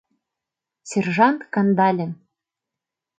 — Сержант Кандалин.